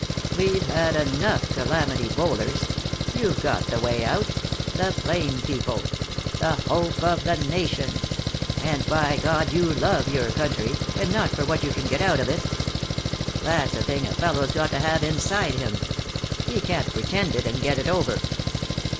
We've had enough calamity bowlers. You've got the way out. The plain people. The hope of the nation. And, by God, you love your country, and not for what you can get out of it. That's a thing a fellow's got to have inside him. He can't pretend it and get it over."